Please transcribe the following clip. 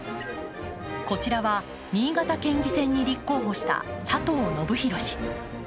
こちらは新潟県議選に立候補した佐藤伸広氏。